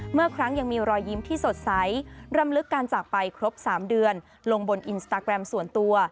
เมื่อครั้งยังมีรอยยิ้มที่สดใสรำลึกการจากไปครบ๓เดือนลงบนอินสตาแกรมส่วนตัว